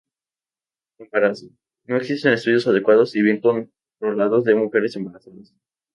Embarazo: No existen estudios adecuados y bien controlados en mujeres embarazadas.